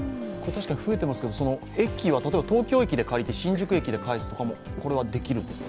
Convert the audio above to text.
増えていますけど、駅は例えば東京駅で借りて、新宿駅で返すというのはできるんですか？